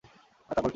আর তারপর কী?